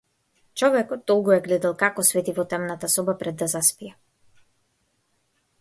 Човекот долго ја гледал како свети во темната соба пред да заспие.